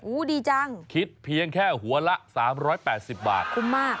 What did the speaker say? อู๋ดีจังคิดเพียงแค่หัวละสามร้อยแปดสิบบาทคุ้มมาก